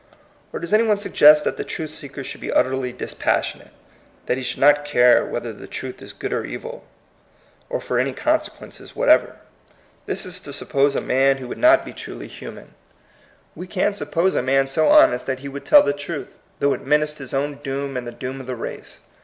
Or does any one suggest that the truth seeker should be utterly dispassionate, that he should not care whether the truth is good or evil, or for any consequences what ever? This is to suppose a man who would 76 THE COMING PEOPLE. • not be truly human. We can suppose a man so honest that he would tell the truth, though it menaced his own doom and the doom of the race.